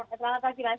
selamat pagi mas